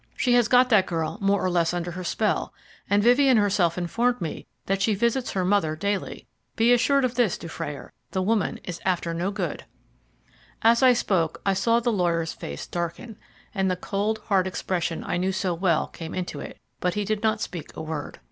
She has got that girl more or less under her spell, and Vivien herself informed me that she visits her mother daily. Be assured of this, Dufrayer, the woman is after no good." As I spoke I saw the lawyer's face darken, and the cold, hard expression I knew so well came into it, but he did not speak a word.